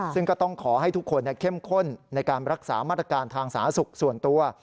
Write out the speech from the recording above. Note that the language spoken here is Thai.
ซึ่งก็ต้องขอให้ทุกคนเข้มข้นในการรักษามาตรการทางสาธารณสุขส่วนตัว